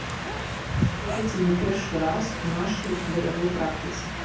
Гэта ці не першы раз у нашай баявой практыцы.